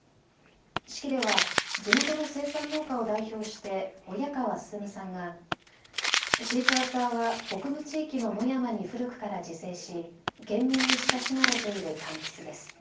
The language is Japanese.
式では地元の生産農家を代表して親川進さんがシークヮーサーは北部地域の野山に古くから自生し県民に親しまれているかんきつです。